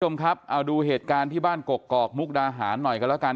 คุณผู้ชมครับเอาดูเหตุการณ์ที่บ้านกกอกมุกดาหารหน่อยกันแล้วกัน